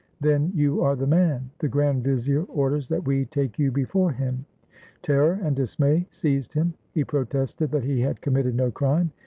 " "Then you are the man! The grand vizier orders that we take you before him. " Terror and dismay seized him. He protested that he had com mitted no crime.